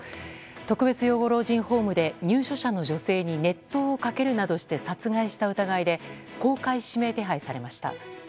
特別養護老人ホームで入所者の女性に熱湯をかけるなどして殺害した疑いで公開指名手配されました。